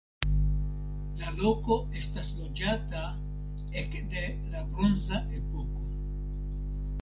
La loko estas loĝata ekde la bronza epoko.